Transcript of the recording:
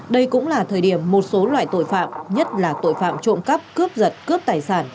đây cũng là thời điểm một số loại tội phạm nhất là tội phạm trộm cắp cướp giật cướp tài sản